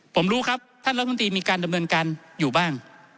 ผมรู้ครับท่านรัฐมนตรีมีการดำเนินการอยู่บ้าง